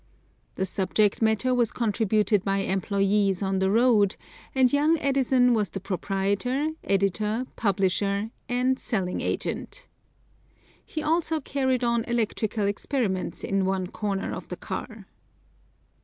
The subject matter was contributed by employes on the road, and young Edison was the proprietor, editor, publisher and selling agent. He also carried on electrical experiments in one corner of the car.